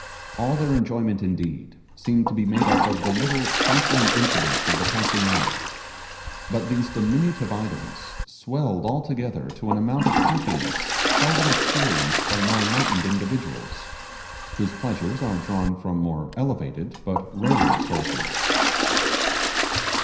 All their enjoyment, indeed, seemed to be made up of the little trifling incidents of the passing hour; but these diminutive items swelled altogether to an amount of happiness seldom experienced by more enlightened individuals, whose pleasures are drawn from more elevated but rarer sources.